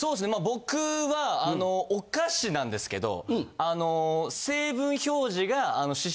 僕はお菓子なんですけど。